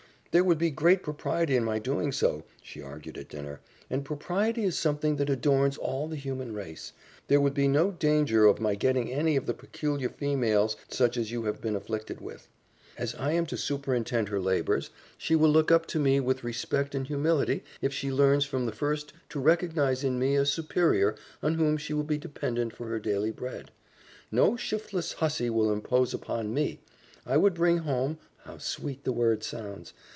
"There would be great propriety in my doing so," she argued at dinner, "and propriety is something that adorns all the human race. There would be no danger of my getting any of the peculiar females such as you have been afflicted with. As I am to superintend her labors, she will look up to me with respect and humility if she learns from the first to recognize in me a superior on whom she will be dependent for her daily bread. No shiftless hussy would impose upon ME. I would bring home how sweet the word sounds!